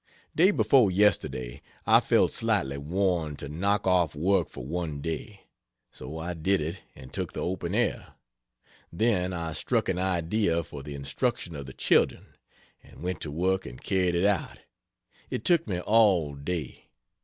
Day before yesterday I felt slightly warned to knock off work for one day. So I did it, and took the open air. Then I struck an idea for the instruction of the children, and went to work and carried it out. It took me all day.